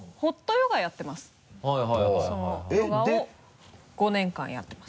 ヨガを５年間やってます。